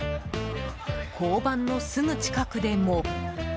交番のすぐ近くでも。